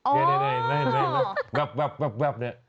ได้แบบนี่